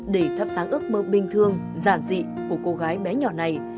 để thắp sáng ước mơ bình thương giản dị của cô gái bé nhỏ này